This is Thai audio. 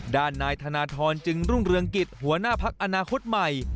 ด้านนายธนทรจึงรุ่งเรืองกิจหัวหน้าพักอนาคตใหม่